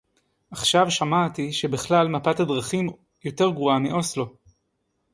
עכשיו שמעתי שבכלל מפת הדרכים יותר גרועה מאוסלו